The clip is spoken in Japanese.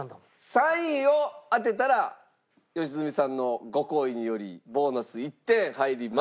３位を当てたら良純さんのご厚意によりボーナス１点入ります。